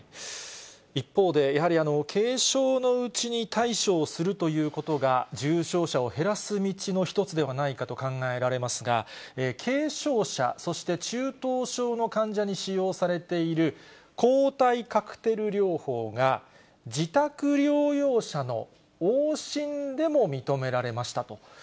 一方で、やはり軽症のうちに対処をするということが、重症者を減らす道の一つではないかと考えられますが、軽症者、そして中等症の患者に使用されている、抗体カクテル療法が、自宅療養者の往診でも認められましたと。